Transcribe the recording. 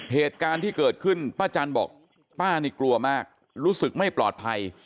เหตุการณ์ที่เกิดขึ้นป้าจันบอกป้านี่กลัวมากรู้สึกไม่ปลอดภัย